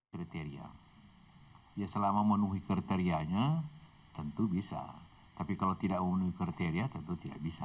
kriteria ya selama memenuhi kriterianya tentu bisa tapi kalau tidak memenuhi kriteria tentu tidak bisa